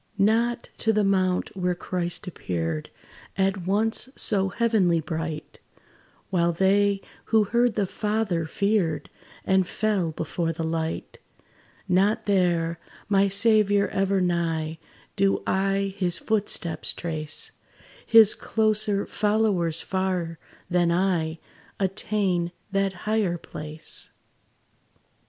Not to the mount where Christ appeared At once so heavenly bright; While they, who heard the Father, feared, And fell before the light Not there, my Saviour ever nigh, Do I his footsteps trace: His closer followers far, than I, Attain that higher place.